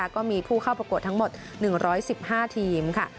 ก็มีผู้เข้าประกวดทั้งหมด๑๑๕ทีมค่ะ